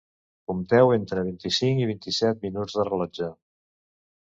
Compteu entre vint-i-cinc i vint-i-set minuts de rellotge